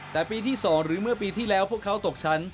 แต่ปีที่๒หรือเมื่อปีที่แล้วพวกเขาตกชั้น